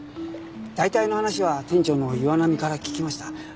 大体の話は店長の岩並から聞きました。